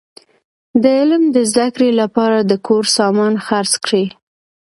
د علم د زده کړي له پاره د کور سامان خرڅ کړئ!